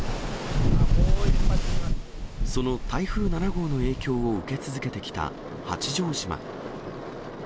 その台風７号の影響を受け続けてきた八丈島。